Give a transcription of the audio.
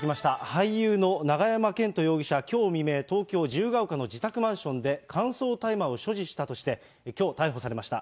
俳優の永山絢斗容疑者、きょう未明、東京・自由が丘の自宅マンションで、乾燥大麻を所持したとして、きょう逮捕されました。